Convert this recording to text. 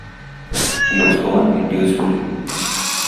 He was born in Dewsbury.